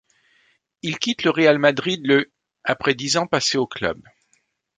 Il quitte le Real Madrid le après dix ans passés au club.